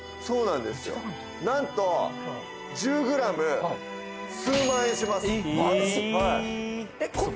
そうなんですよなんとえっ？